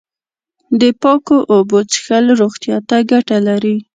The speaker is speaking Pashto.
د پاکو اوبو څښل روغتیا ته گټه لري.